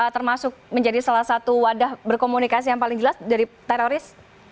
termasuk menjadi salah satu wadah berkomunikasi yang paling jelas dari teroris